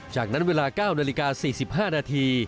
จากนั้นเวลา๙นาฬิกา๔๕นาที